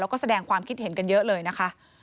แล้วก็แสดงความคิดเห็นกันเยอะเลยนะคะ